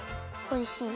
おいしい。